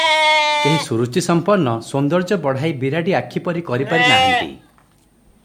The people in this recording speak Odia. କେହି ସୁରୁଚିସମ୍ପନ୍ନ ସୌନ୍ଦର୍ଯ୍ୟ ବଢ଼ାଇ ବିରାଡ଼ି ଆଖି ପରି କରିପାରି ନାହାନ୍ତି ।